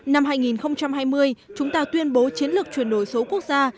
năm hai nghìn hai mươi chúng ta tuyên bố chiến lược chuyển đổi số quốc gia